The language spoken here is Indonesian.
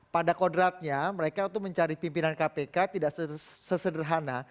pada kodratnya mereka itu mencari pimpinan kpk tidak sesederhana